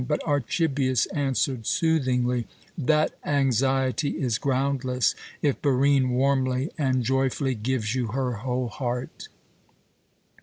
But Archibius answered soothingly: "That anxiety is groundless if Barine warmly and joyfully gives you her whole heart.